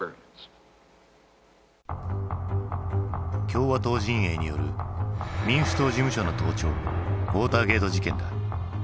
共和党陣営による民主党事務所の盗聴ウォーターゲート事件だ。